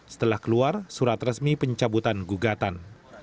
setelah keluar surat resmi pencabutan gugatan